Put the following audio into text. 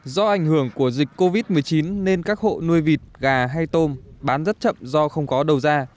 do ảnh hưởng của dịch covid một mươi chín nên các hộ nuôi vịt gà hay tôm bán rất chậm do không có đầu ra